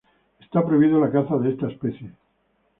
Está prohibido la caza de esta especie.